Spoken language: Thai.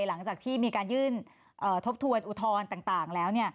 หลังจากที่มีการยื่นทบทวนอุทธรณ์ต่างแล้ว